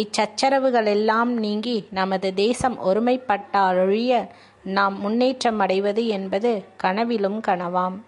இச் சச்சரவுகளெல்லாம் நீங்கி நமது தேசம் ஒருமைப்பட்டாலொழிய, நாம் முன்னேற்றமடைவது என்பது கனவிலும் கனவாம்.